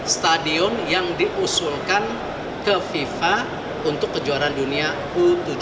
stadion yang diusulkan ke fifa untuk kejuaraan dunia u tujuh belas